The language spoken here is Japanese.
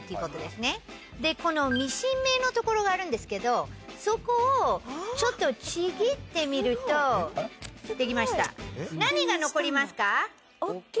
でこのミシン目のところがあるんですけどそこをちょっとちぎってみるとできました何が残りますか？